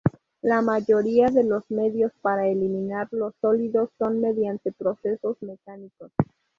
La mayoría de los medios para eliminar los sólidos son mediante procesos mecánicos.